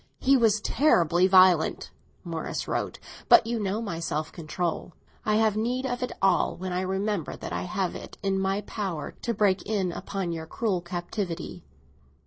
"He was terribly violent," Morris wrote; "but you know my self control. I have need of it all when I remember that I have it in my power to break in upon your cruel captivity."